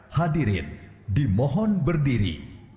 hadirin dimohon berdiri